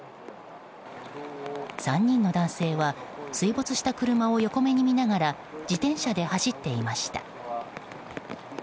３人の男性は水没した車を横目に見ながら自転車で走っていました。